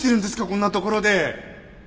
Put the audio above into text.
こんな所で。